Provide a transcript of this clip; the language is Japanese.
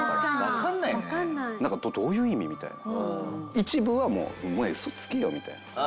一部は「お前ウソつけよ！」みたいな。